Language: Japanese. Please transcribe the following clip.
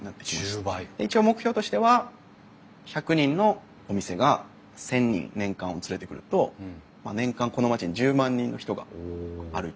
一応目標としては１００人のお店が１，０００人年間連れてくると年間この町に１０万人の人が歩いていくと。